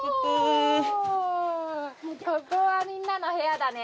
ここはみんなの部屋だね。